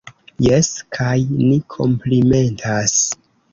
Jes, kaj ni komplimentas.